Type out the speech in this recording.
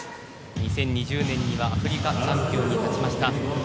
２０２０年にはアフリカチャンピオンに勝ちました。